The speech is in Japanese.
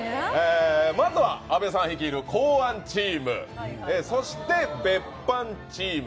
まずは阿部さん率いる公安チームそして、別班チーム。